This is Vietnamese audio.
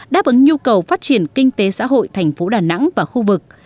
đáp ứng nhu cầu phát triển kinh tế xã hội thành phố đà nẵng và khu vực